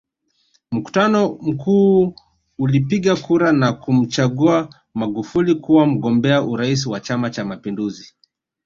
Mkutano mkuu ulipiga kura na kumchagua Magufuli kuwa mgombea urais wa Chama Cha Mapinduzi